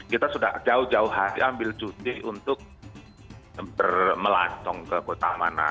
kita sudah jauh jauh hari ambil cuti untuk melancong ke kota mana